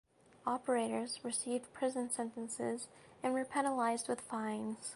Operators received prison sentences and were penalized with fines.